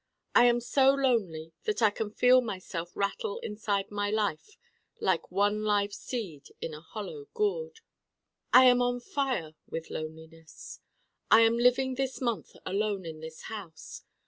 I am so Lonely that I can feel myself rattle inside my life like one live seed in a hollow gourd. I am on fire with Loneliness. I am living this month alone in this house.